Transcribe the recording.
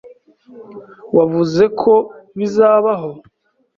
Wavuze ko bizabaho.